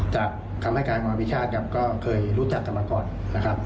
จากคำให้แกล้งความวิชาศครับก็เคยรู้จักกันมาก่อน